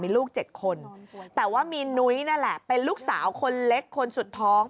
มีลูก๗คนแต่ว่ามีนุ้ยนั่นแหละเป็นลูกสาวคนเล็กคนสุดท้อง